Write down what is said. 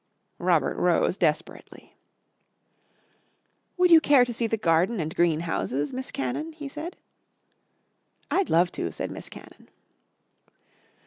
Robert rose desperately. "Would you care to see the garden and green houses, Miss Cannon?" he said. "I'd love to," said Miss Cannon.